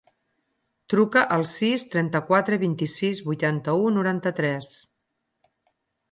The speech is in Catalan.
Truca al sis, trenta-quatre, vint-i-sis, vuitanta-u, noranta-tres.